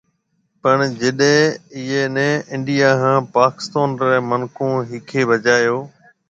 پڻ جڏي ايئي ني انڊيا ھان پاڪستون ري منکون ۿيکي بجايو